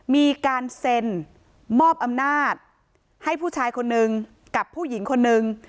มีการเซ็นมอบอำนาจให้ผู้ชายคนนึงกับผู้หญิงคนนึง